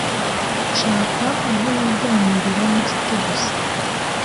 nshaka aho wiganirira n’inshuti gusa